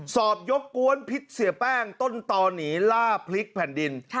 สอบยกกวนพิษเสียแป้งต้นตอหนีล่าพลิกแผ่นดิน